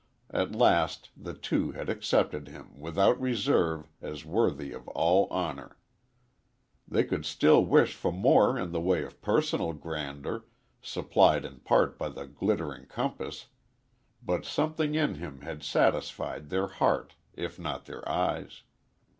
At last the two had accepted him, without reserve, as worthy of all honor. They could still wish for more in the way of personal grandeur, supplied in part by the glittering compass, but something in him had satisfied their hearts if not their eyes.